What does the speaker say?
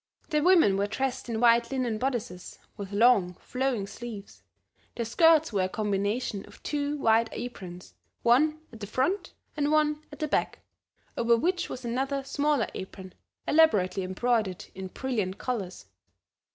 The women were dressed in white linen bodices with long, flowing sleeves; their skirts were a combination of two wide aprons, one at the front and one at the back, over which was another smaller apron elaborately embroidered in brilliant colors.